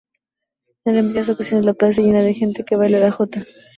En repetidas ocasiones la plaza se llena de gente que baila la jota.